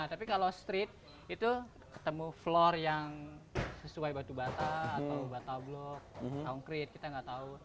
tapi kalau street itu ketemu floor yang sesuai batu bata atau batablok angkrit kita nggak tahu